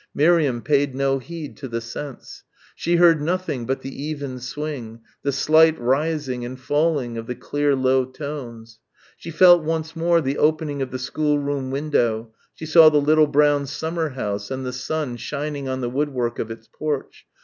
Miriam paid no heed to the sense. She heard nothing but the even swing, the slight rising and falling of the clear low tones. She felt once more the opening of the schoolroom window she saw the little brown summer house and the sun shining on the woodwork of its porch.